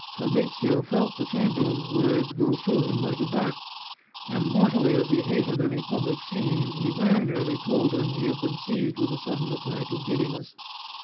Fabrizio felt the chamberlain's words go through him like a dart, and mortally as he hated any public scene, he very nearly told him he had been seized with a sudden attack of giddiness.